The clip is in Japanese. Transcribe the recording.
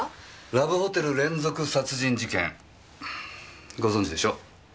ラブホテル連続殺人事件ご存じでしょ？